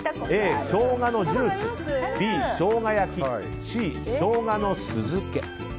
Ａ、しょうがジュースＢ、しょうが焼きＣ、しょうが酢漬け。